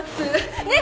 ねっ？